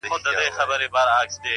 بخیل تندي ته مي زارۍ په اوښکو ولیکلې!